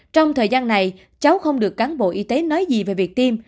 trong thời gian này cháu không được cán bộ y tế nói gì về việc tiêm